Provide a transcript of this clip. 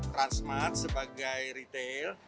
transmart sebagai retail